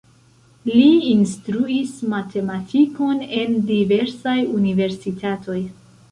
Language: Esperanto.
Li instruis matematikon en diversaj universitatoj.